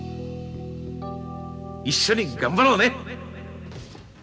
一緒に頑張ろうね。